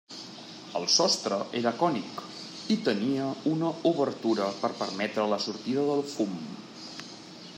El sostre era cònic i tenia una obertura per permetre la sortida del fum.